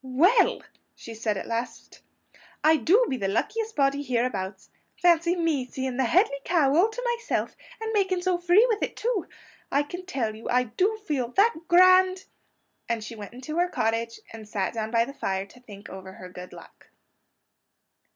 "WELL!" she said at last, "I do be the luckiest body hereabouts! Fancy me seeing the Hedley Kow all to myself, and making so free with it too! I can tell you, I do feel that GRAND " And she went into her cottage, and sat down by the fire to think over her good luck.